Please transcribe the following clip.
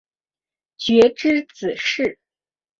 傕之子式。